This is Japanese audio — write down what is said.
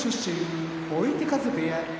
追手風部屋